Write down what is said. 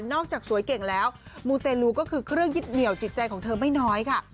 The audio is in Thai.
จากสวยเก่งแล้วมูเตลูก็คือเครื่องยึดเหนียวจิตใจของเธอไม่น้อยค่ะ